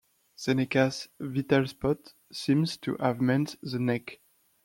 Seneca's "vital spot" seems to have meant the neck.